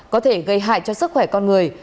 có thể gây hại cho sức khỏe con người